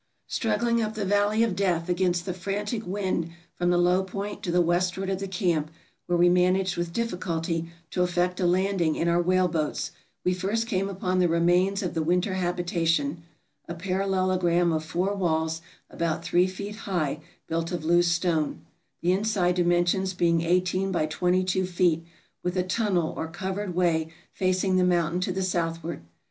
" Struggling up the valley of death against the frantic wind from the low point to the westward of the camp, where we managed with difficulty to effect a landing in our whaleboats, we first came upon the remains of the winter habitation, a parallelogram of four walls about three feet high built of loose stone, the inside dimensions being 1 8 by 22 feet, with a tunnel or covered way facing the mountain to the southward.